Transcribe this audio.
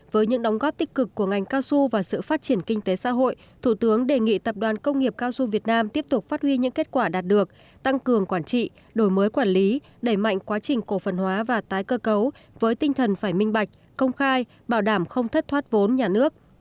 với những đóng góp tích cực của ngành cao su và sự phát triển kinh tế xã hội thủ tướng đề nghị tập đoàn công nghiệp cao su việt nam tiếp tục phát huy những kết quả đạt được tăng cường quản trị đổi mới quản lý đẩy mạnh quá trình cổ phần hóa và tái cơ cấu với tinh thần phải minh bạch công khai bảo đảm không thất thoát vốn nhà nước